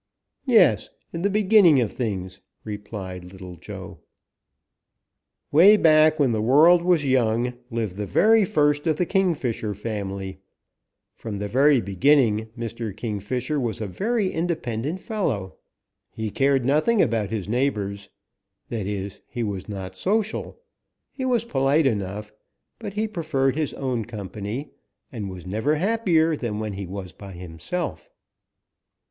"Yes, in the beginning of things," replied Little Joe, "way back when the world was young, lived the very first of the Kingfisher family. From the very beginning Mr. Kingfisher was a very independent fellow. He cared nothing about his neighbors. That is, he was not social. He was polite enough, but he preferred his own company and was never happier than when he was by himself.